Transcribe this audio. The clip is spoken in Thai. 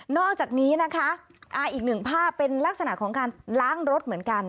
อกจากนี้นะคะอีกหนึ่งภาพเป็นลักษณะของการล้างรถเหมือนกัน